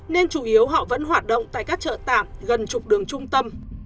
nên chủ yếu họ vẫn hoạt động tại các chợ tạm gần chục đường trung tâm